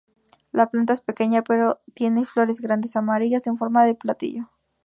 La planta es pequeña, pero tiene flores grandes, amarillas, en forma de platillo.